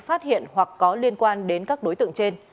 phát hiện hoặc có liên quan đến các đối tượng trên